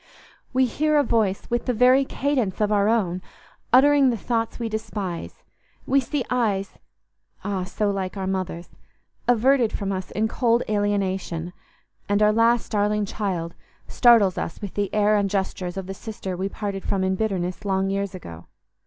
We hear a voice with the very cadence of our own uttering the thoughts we despise; we see eyes—ah, so like our mother's!—averted from us in cold alienation; and our last darling child startles us with the air and gestures of the sister we parted from in bitterness long years ago.